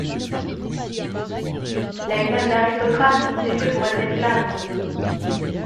T’as une âme d’aristocrate, t’es fait pour être esclave.